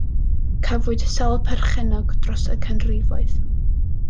Cafwyd sawl perchennog dros y canrifoedd.